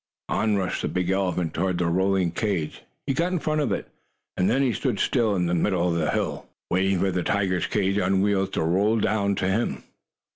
On rushed the big elephant toward the rolling cage. He got in front of it, and then he stood still, in the middle of the hill, waiting for the tiger's cage, on wheels, to roll down to him.